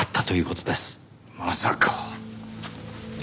まさか。